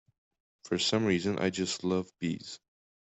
For some reason I just love bees.